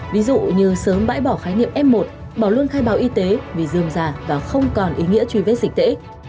ví dụ như sớm bãi bỏ khái niệm m một bỏ luôn khai bào y tế vì dương già và không còn ý nghĩa truy vết dịch tễ